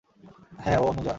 হ্যাঁঁ, ও অনুযা।